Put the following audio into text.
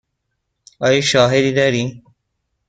آیا شاهدی دارید؟